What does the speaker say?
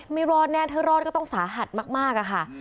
ไม่รอดแน่ถ้ารอดก็ต้องสาหัสมากอะค่ะ